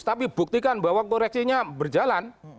tapi buktikan bahwa koreksinya berjalan